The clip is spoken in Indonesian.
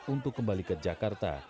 untuk kembali ke jakarta